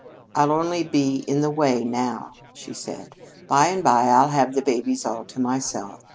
"I'll only be in the way now," she called. "By and by I'll have the babies all to myself."